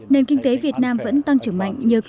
nền kinh tế việt nam vẫn tăng trưởng mạnh